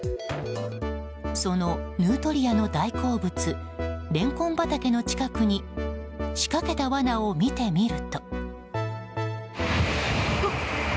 そのヌートリアの大好物レンコン畑の近くに仕掛けた罠を見てみると。